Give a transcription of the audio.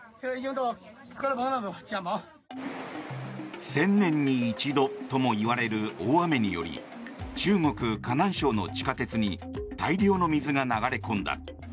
１０００年に一度ともいわれる大雨により中国・河南省の地下鉄に大量の水が流れ込んだ。